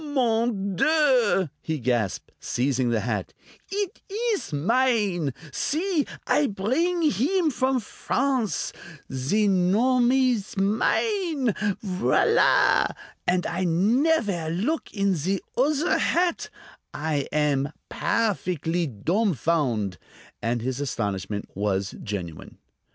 "Mon Dieu!" he gasped, seizing the hat; "eet ees mine! See! I bring heem from France; zee nom ees mine. V'là! And I nevaire look in zee uzzer hat! I am _pair_fickly dumfound'!" And his astonishment was genuine.